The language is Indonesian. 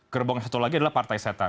gerbong satu lagi adalah partai setan